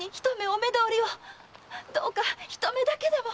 どうか一目だけでも！